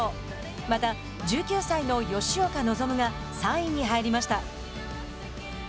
また、１９歳の吉岡希が３位に入りました。